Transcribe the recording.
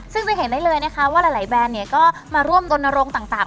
ซึ่งจะเห็นได้เลยนะคะว่าหลายแบรนด์เนี่ยก็มาร่วมรณรงค์ต่าง